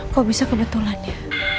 kok bisa kebetulan ya